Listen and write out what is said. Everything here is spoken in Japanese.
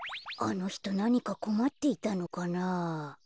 あのひとなにかこまっていたのかなあ。